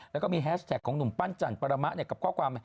แล้วก็มีแฮชแท็กของหนุ่มปั้นจันปรมะกับข้อความ